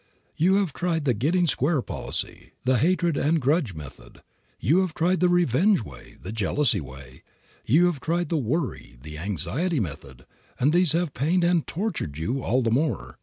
You have tried the "getting square" policy, the hatred and grudge method; you have tried the revenge way, the jealousy way; you have tried the worry, the anxiety method, and these have pained and tortured you all the more.